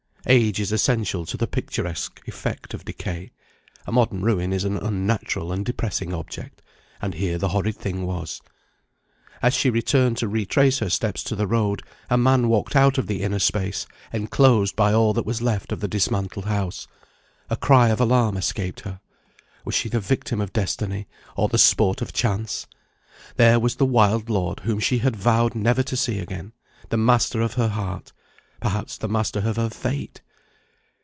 Age is essential to the picturesque effect of decay: a modern ruin is an unnatural and depressing object and here the horrid thing was. As she turned to retrace her steps to the road, a man walked out of the inner space enclosed by all that was left of the dismantled house. A cry of alarm escaped her. Was she the victim of destiny, or the sport of chance? There was the wild lord whom she had vowed never to see again: the master of her heart perhaps the master of her fate!